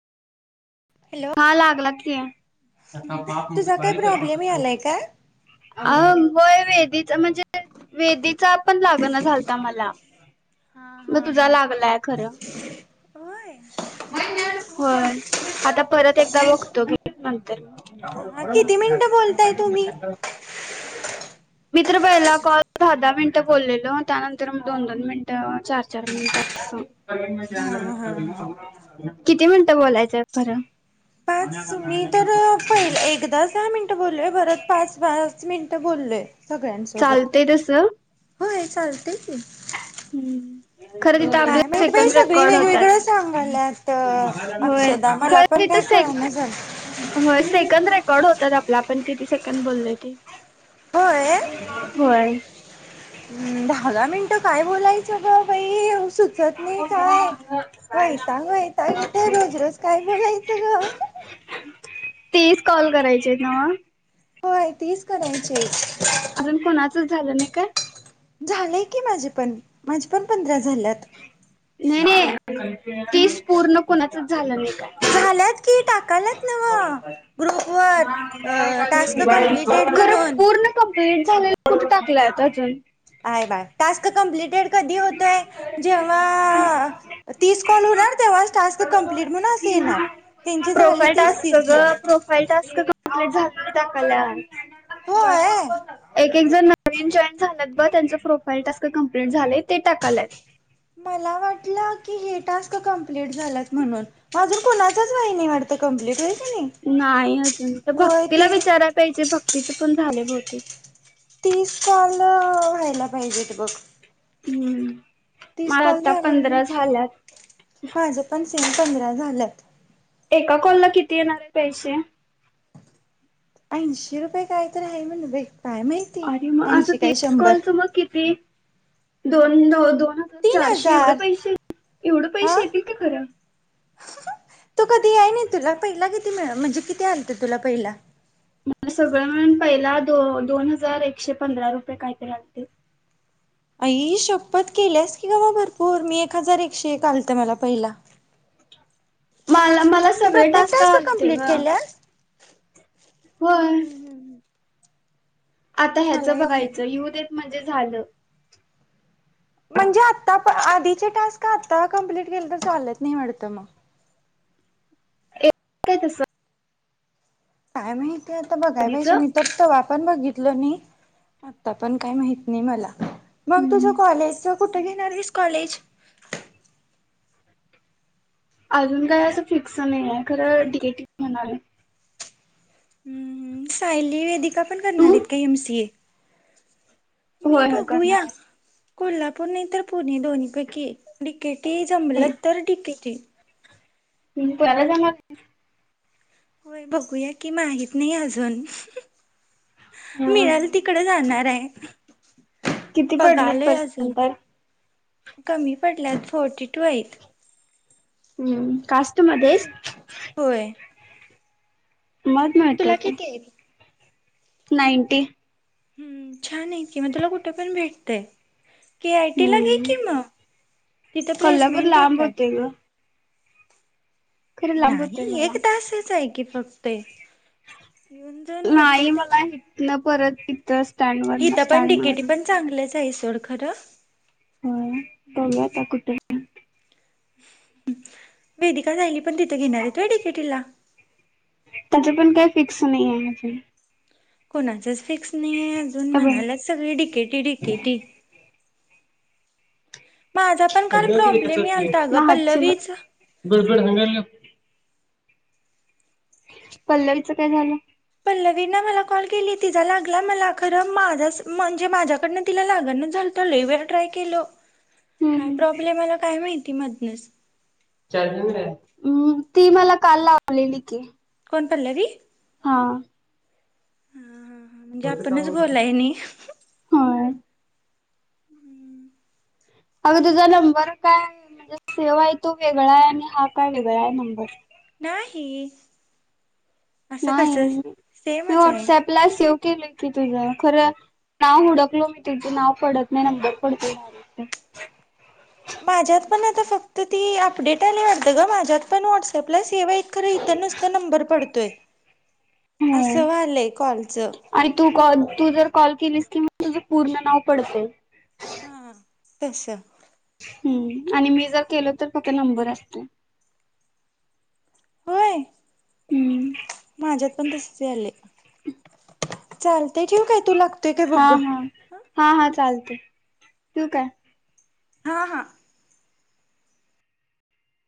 Hello हा लागलात त्या! तुझा काय प्रॉब्लेम यालाय काय? [unintelligible] होय वेदीचा, म्हणजे वेदीचा, पण लागण झालता मला. हा मग हा तुझा हा लागलाय खरं होय हो आता परत एकदा बघतो की नंतर. किती मिनटं बोलताय तुम्ही. मित्र पईला कॉल दहा दहा मिनिटं, बोललेलो त्यानंतर मग दोन दोन मिनिटं, चार चार मिनिट, अस. हा हा हा किती मिनटं बोलायचं खरं. मी तर पय एकदाच दहा मिनट बोलोय. परत पाच, पाच मिनटं बोलोय. चालतय तस हो चालतय की हम्म खरं तिथं काय आपलं माहित बाई सेकंद सगळी रेकॉर्ड होतात वेगवेगळं सांगाल्यात. होय अक्षदा मला खरं पण तिथ काय सेक कळना झालंय होय सेकंद रे कॉर्ड होतात आपला पण किती सेकंद बोललोय ते होय. होय [inaudible] दहा-दहा मिनटं काय बोलायचं अगं बाई सुचत नाही काय वैताग-वैताग येते रोज-रोज काय बोलायचं ग? तीस कॉल करायचे नव होय तीस कराय चे च झालं नाही काय? की माझे पण माझे पण पंधरा झाल्यात? नाही-नाही हम्म तीस पूर्ण कुणाचं झालं नाही काय? झाल्यात की टाकाल्यात नव्हं ग्रुपवर अ टास्क कंप्लीटेड म्हणून प्लीट झालेला कुठं टाकल्यात अजून? आहे बाळ टास्क कंप्लीट टेड कधी होतोय जेव्हा तीस कॉल होणार तेव्हाच टास्क कम्प्लीट म्हणू असं येणार, त्यांची प्रोफाईल झाल्याती तीस-तीस कॉल माझं झालेलत कल्याण होय एक एक जन नवीन जॉईन झालंत ब त्यांचं प्रोफाईल टास्क कंप्लीट झालेत मला वाटलं की हे टास्क कंप्लीट झालात म्हणून म अजून कुणाचाच व्हाय नाही वाटतं कंम्प्लीट होय की नाही नाही अजून त्या होय भक्तीला ती विचारायला पाहिजे भक्तीच पण झाले भो ठीक तीस काॅल व्हायला पाहिजेत बघं हम्म. मला आता की पंधरा झाल्यातं माझं पण सेम पंधरा झाल्यात. एका काॅलला किती येणार आहेत? पैश्या ऐंशीे रुपये कायतरी आहे म्हणे बाई काय माहिती अरे मग असं ऐंशी काय तीस शंभर काॅलचं मग किती? दोन नव दोन तीन चारशे एवढ हजार पैसे एवढे पैसे येतील का खरं? तू कधी याय नाही तुला पहिला किती मिळा म्हणजे किती आलत तुला पहिला? मला सगळं मिळून पहिला दो-दोन हजार एकशे पंधरा रुपये कायतर आलते बघ. आई शपथ केलीयास की ग मग भरपूर मी एक हजार एकशे एक आलत मला पहिला. मला मला तू सगळे प्रत्येक टास्क आलते कंप्लीट गं. केल्यास होय हम्म हम्म हम्म आता मला ह्याचं आहे बघायचं येऊ देत. म्हणजे झालं. म्हणजे आता आप आधीचे टास्क आता कम्प्लीट केलं तर चालत नाही वाटतं मग. ए काय तसं काय माहित. ते आता बघायला आधीच पाहिजे नाही तर तवा पण बघितल नाही. आता पण काय माहित नाही मला. मग तुझ हम्म. कॉलेजच कुठ घेणार हाईस? कॉलेज अजून काय असं फिक्स नाही आहे खरं डिगेटिव्ह म्हणाले. हम्म हम सायली वेदी आता पण करणार तू आहेत का एम सी ए? मी होय होय बघूया करणार हाय. कोल्हापूर नाही तर पु नाही दोन्हीपैकी एक डि के टी जमल तर डि के टी. तुम्ही चालत जाणार हाय? होय बघूया कि माहित नाही अजून मिळल हम्म, तिकड जाणार आहे. किती पडलेत बघालोय अजून पर्सेंटेज कमी पडल्यात फोर्टी टू हाईत. हम्म कास्ट मध्ये हाईस? होय. माहित नाही काय तुला? किती आहेत? नाईंटी हम्म छान आहे कि मग तुला कुठे पण भेटतय. के आय टी ला घे हम्म, की मग तिथं कोल्हापूर प्लेसमेंट लांब येतात. होते ग खरं लांब होते नाही मला एक तासच हाय की. की फक्त एक येऊन जाऊन नाही होतय मला तेवढ. इथनं परत तिथच हित पण डिकेटी पण चांगलच आहे. तेवढ खर होय बघुया आता कुठे वेदिका, सायली पण तिथे घेणार आहेत होय डिकेटीला तीच पण काय फिक्स नाहीये अजून कोणाचच फिक्स नाहीये अजून अबे म्हणाल्यात सगळे डिकेटी डिकेटी माझा पण काल प्रॉब्लेम यालता ग पल्लवीच [unintelligible] पल्लवीचं काय झालं. वीनं मला कॉल केली तिचा लागला मला खर माझ म्हणजे माझ्याकडन तिला लागण झालता लय वेळा ट्राय केलो हम्म काय हम्म प्रॉब्लेम आला काय माहित की मधनच म् ती मला काल लावलेली की कोण पल्लवी हा हा हा- म्हणजे होत का आपणच बोलाय नि होय अगं तुझा नंबर काय म्हणजे सेव्ह आहे तो वेगळा आहे आणि हा काय वेगळा आहे नंबर नाही असं नाही कसं मी सेमच आहे व्हॉट्सअपला सेव्ह केलय की तुझ खरं नाव हुडकलो मी तिथे नाव पडत नाही नंबर पडतोय डायरेक्ट माझ्यात पण आता फक्त ती अपडेट आलीय वाटत ग माझ्यात पण व्हाट्सअपलाच तेव्हा एक खरं इथं नसता नंबर पडतोय होय असं व्हायलंय कॉलच आणि तू कॉल तू जर कॉल केलीस की म तुझं पूर्ण नाव पडतंय. हा तस हम्म आणि मी जर केल तर फक्त नंबर असतोय. होय. माझ्यात पण तसंच झालंय चालतय ठेऊ काय तू लाग हा हा हा हा चालतय ठेवू काय? हा हा